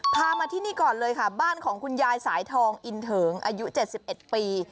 พามาที่นี่ก่อนเลยค่ะบ้านของคุณยายสายทองอินเถิงอายุ๗๑ปี